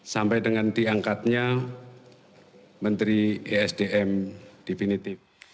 sampai dengan diangkatnya menteri esdm definitif